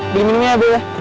beli minumnya ya beli